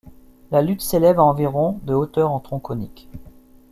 La butte s'élève à environ de hauteur en tronc conique.